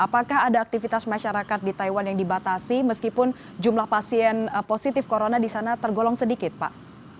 apakah ada aktivitas masyarakat di taiwan yang dibatasi meskipun jumlah pasien positif corona di sana tergolong sedikit pak